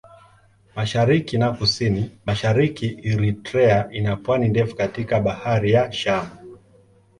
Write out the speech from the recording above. Mashariki na Kusini-Mashariki Eritrea ina pwani ndefu katika Bahari ya Shamu.